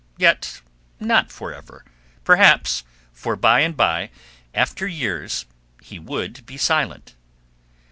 Yet not forever, perhaps, for by and by, after years, he would be silent.